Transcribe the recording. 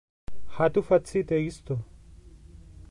Ha tu facite isto?